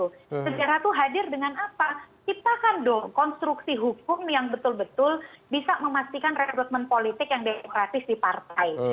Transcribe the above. jadi seharusnya negara itu hadir sejarah itu hadir dengan apa kita kan dong konstruksi hukum yang betul betul bisa memastikan rekrutmen politik yang demokratis di partai